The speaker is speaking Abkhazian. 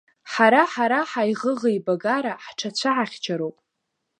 Ҳара-ҳара ҳаиӷыӷеибагара ҳҽацәаҳахьчароуп.